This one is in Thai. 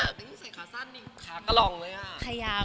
หนึ่งใส่ขาสั้นสิขีกกล่องเลยครับ